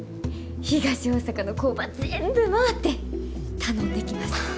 東大阪の工場全部回って頼んできます。